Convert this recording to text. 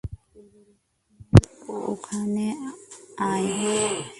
পেরুমল, এখানে আয়।